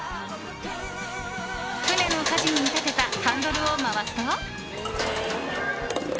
船の舵に見立てたハンドルを回すと。